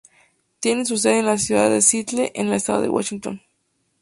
Tiene su sede en la ciudad de Seattle, en el estado de Washington.